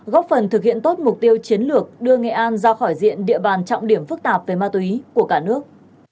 góp phần thực hiện tốt mục tiêu chiến lược đưa nghệ an ra khỏi diện địa bàn trọng điểm phức tạp về ma túy của cả nước